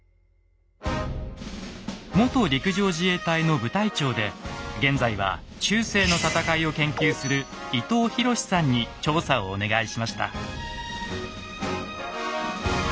元陸上自衛隊の部隊長で現在は中世の戦いを研究する伊東寛さんに調査をお願いしました。